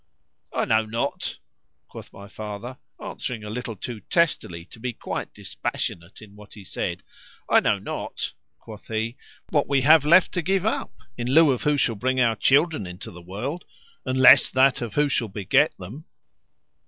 ——I know not, quoth my father, answering a letter too testily, to be quite dispassionate in what he said,—I know not, quoth he, what we have left to give up, in lieu of who shall bring our children into the world, unless that,—of who shall beget them.